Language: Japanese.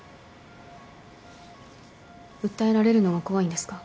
訴えられるのが怖いんですか？